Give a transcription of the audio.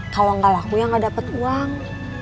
kalo gak lakuin gak dapet uang